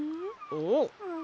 おっ！